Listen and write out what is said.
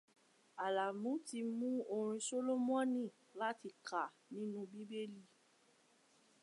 Àlàmú ti mú orin Sólómọ́nì láti kà nínú Bíbélì.